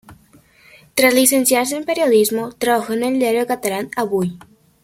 Tras licenciarse en Periodismo trabajó en el diario catalán Avui.